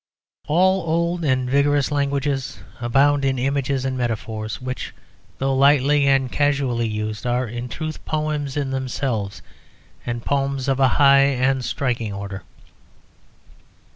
All old and vigorous languages abound in images and metaphors, which, though lightly and casually used, are in truth poems in themselves, and poems of a high and striking order.